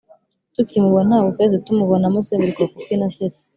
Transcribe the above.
tukimubona, ntabwo twahise tumubonamo seburikoko ukina asetsa,